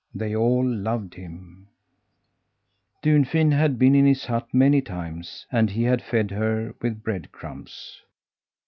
They all loved him. Dunfin had been in his hut many times, and he had fed her with bread crumbs.